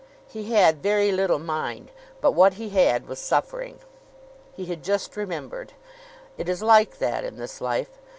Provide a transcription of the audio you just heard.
He had very little mind, but what he had was suffering. He had just remembered. It is like that in this life.